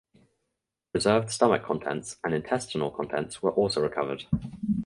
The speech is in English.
Preserved stomach contents and intestinal contents were also recovered.